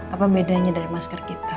apa bedanya dari masker kita